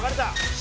Ｃ。